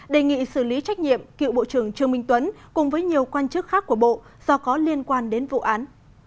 đề nghị xử lý trách nhiệm cựu bộ trưởng trương minh tuấn cùng với nhiều quan chức khác của bộ do có liên quan đến vụ án